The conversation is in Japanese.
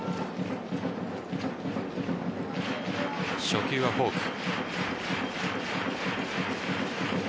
初球はフォーク。